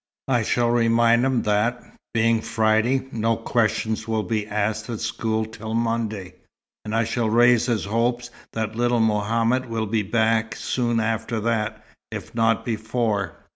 I shall remind him that, being Friday, no questions will be asked at school till Monday, and I shall raise his hopes that little Mohammed will be back soon after that, if not before.